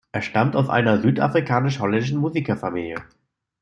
Er stammt aus einer südafrikanisch-holländischen Musikerfamilie.